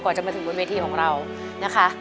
จะมาถึงบนเวทีของเรานะคะ